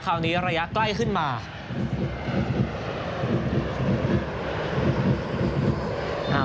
คราวนี้ระยะใกล้ขึ้นมา